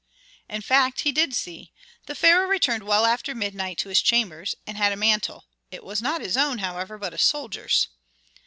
In fact he did see. The pharaoh returned well after midnight to his chambers, and had a mantle; it was not his own, however, but a soldier's.